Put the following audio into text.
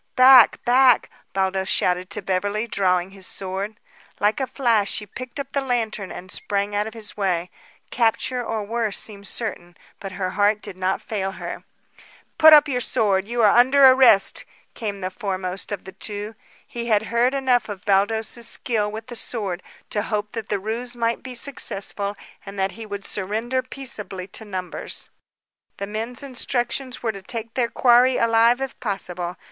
"Back! Back!" Baldos shouted to Beverly, drawing his sword. Like a flash, she picked up the lantern and sprang out of his way. Capture or worse seemed certain; but her heart did not fail her. "Put up your sword! You are under arrest!" came from the foremost of the two. He had heard enough of Baldos's skill with the sword to hope that the ruse might be successful and that he would surrender peaceably to numbers. The men's instructions were to take their quarry alive if possible.